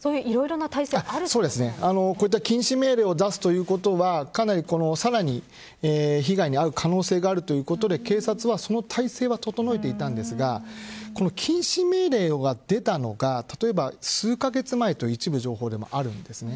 そうですね、こういった禁止命令を出すということはさらに被害に遭う可能性があるということで警察はその体制は整えていたんですがこの禁止命令が出たのが例えば数カ月前と一部情報ではあるんです。